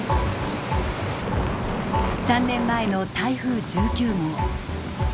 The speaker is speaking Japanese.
３年前の台風１９号。